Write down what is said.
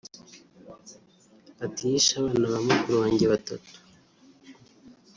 Ati “Yishe abana ba mukuru wanjye batatu